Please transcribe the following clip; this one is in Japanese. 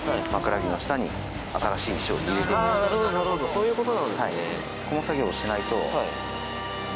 そういう事なんですね。